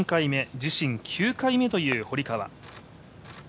自身９回目という堀川。